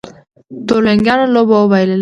تورلېنګانو لوبه وبایلله